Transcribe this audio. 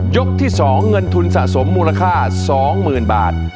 ที่๒เงินทุนสะสมมูลค่า๒๐๐๐บาท